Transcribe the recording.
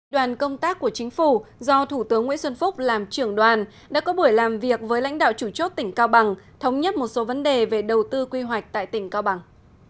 đoàn công tác của chính phủ do thủ tướng nguyễn xuân phúc làm trưởng đoàn đã có buổi làm việc với lãnh đạo chủ chốt tỉnh cao bằng thống nhất một số vấn đề về đầu tư quy hoạch tại tỉnh cao bằng